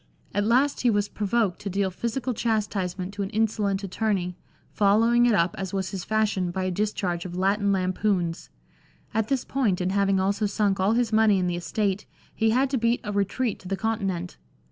At last he was provoked to deal physical chastisement to an insolent attorney, following it up, as was his fashion, by a discharge of Latin lampoons. At this point, and having also sunk all his money in the estate, he had to beat a retreat to the Continent.